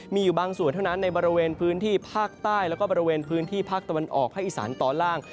มีอยู่บางส่วนเท่านั้นในบริเวณพื้นที่ภาคใต้แล้วก็บริเวณพื้นที่ภาคตะวันออกภาคอีสานตอนล่าง